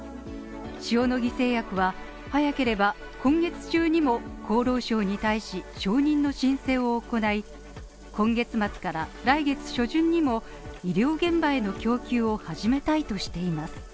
塩野義製薬は早ければ今月中にも厚労省に対し承認の申請を行い今月末から来月初旬にも医療現場への供給を始めたいとしています。